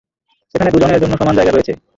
সেখানে দুজনের জন্য সমান যায়গা রয়েছে।